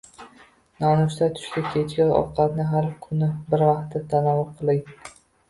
Nonushta, tushlik, kechki ovqatni har kuni bir vaqtda tanovul qiling.